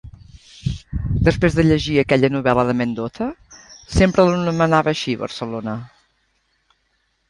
Després de llegir aquella novel·la de Mendoza, sempre l'anomenava així, Barcelona.